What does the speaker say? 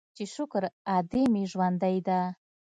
چې شکر ادې مې ژوندۍ ده.